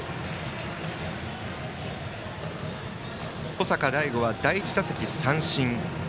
保坂大悟は第１打席、三振。